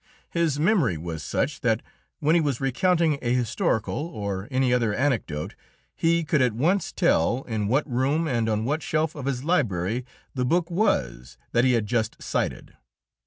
His memory was such that when he was recounting a historical or any other anecdote he could at once tell in what room and on what shelf of his library the book was that he had just cited.